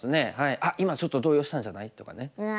「あっ今ちょっと動揺したんじゃない？」とかね。